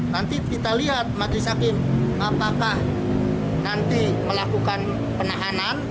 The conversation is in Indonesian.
nanti kita lihat majelis hakim apakah nanti melakukan penahanan